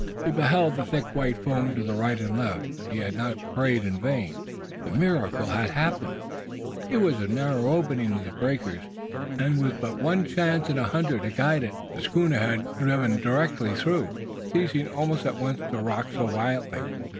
He beheld the thick white foam to right and left, but he had not prayed in vain. The miracle had happened. Here was a narrow opening in the breakers, and, with but one chance in a hundred to guide it, the schooner had driven directly through, ceasing almost at once to rock so violently.